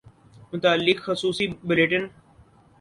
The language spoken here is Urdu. متعلق خصوصی بلیٹن